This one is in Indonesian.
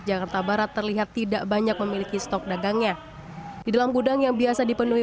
jakarta barat terlihat tidak banyak memiliki stok dagangnya di dalam gudang yang biasa dipenuhi